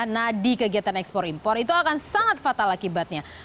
nadi kegiatan ekspor impor itu akan sangat fatal akibatnya